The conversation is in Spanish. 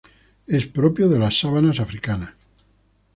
Es propio de las sabanas africanas.